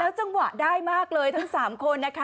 แล้วจังหวะได้มากเลยทั้งสามคน